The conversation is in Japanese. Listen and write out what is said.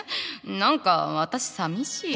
何か私さみしい。